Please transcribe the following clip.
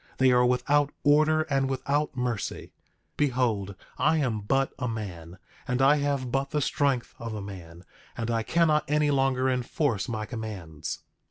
They are without order and without mercy. Behold, I am but a man, and I have but the strength of a man, and I cannot any longer enforce my commands.